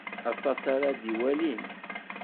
Atas ara d-iwalin.